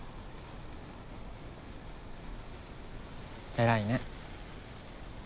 偉いね。